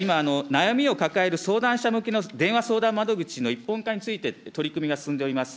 その取り組みの決意等を伺うとともに、今、悩みを抱える相談者向けの電話相談窓口の一本化について取り組みが進んでおります。